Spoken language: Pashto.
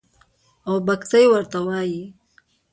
او بګتۍ ورته وايي.